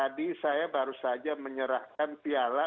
tadi saya baru saja menyerahkan piala